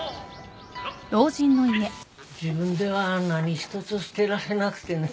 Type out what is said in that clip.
自分では何一つ捨てられなくてね。